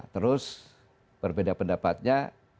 terus berbeda pendapatnya